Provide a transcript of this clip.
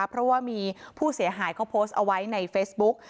เพราะว่ามีผู้เสียหายเขาโพสต์เอาไว้ในเฟซบุ๊ก